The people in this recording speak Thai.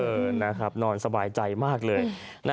นะครับนอนสบายใจมากเลย